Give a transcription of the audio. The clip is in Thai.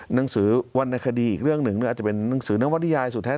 หนังสือวรรณคดีอีกเรื่องหนึ่งอาจจะเป็นหนังสือนวัฒนิยายสุดแท้